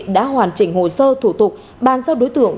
đã hoàn chỉnh hồ sơ thủ tục bàn giao đối tượng